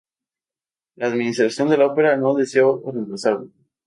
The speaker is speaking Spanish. La administración de la Ópera no deseó reemplazarlo.